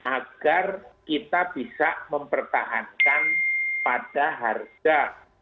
agar kita bisa mempertahankan pada harga